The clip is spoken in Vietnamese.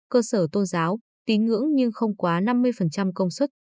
cơ sở tôn giáo tín ngưỡng nhưng không quá năm mươi công suất